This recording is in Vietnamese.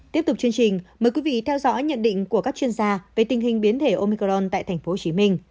tiếp tục chương trình mời quý vị theo dõi nhận định của các chuyên gia về tình hình biến thể omicron tại tp hcm